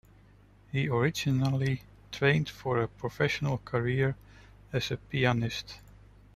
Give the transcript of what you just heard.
He originally trained for a professional career as a pianist.